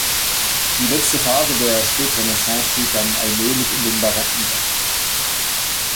Die letzte Phase der Spätrenaissance geht dann allmählich in den Barock über.